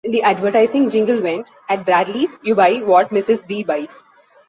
The advertising jingle went, At Bradlees, you buy what Mrs. B buys.